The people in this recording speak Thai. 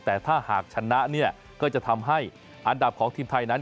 แต่ถ้าหากชนะเนี่ยก็จะทำให้อันดับของทีมไทยนั้น